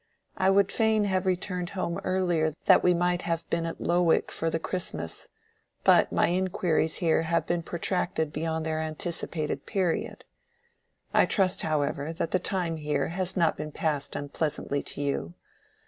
I would fain have returned home earlier that we might have been at Lowick for the Christmas; but my inquiries here have been protracted beyond their anticipated period. I trust, however, that the time here has not been passed unpleasantly to you.